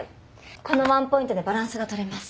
このワンポイントでバランスが取れます。